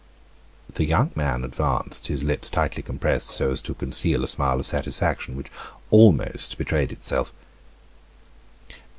The young man advanced, his lips tightly compressed so as to conceal a smile of satisfaction which almost betrayed itself.